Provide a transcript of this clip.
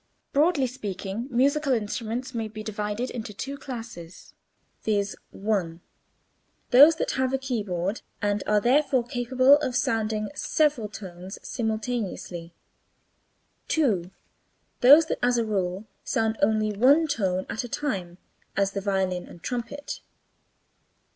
Broadly speaking, musical instruments may be divided into two classes, viz.: (1) those that have a keyboard and are therefore capable of sounding several tones simultaneously; (2) those that (as a rule) sound only one tone at a time, as the violin and trumpet.